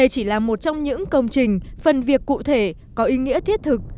chỉ là một trong những công trình phần việc cụ thể có ý nghĩa thiết thực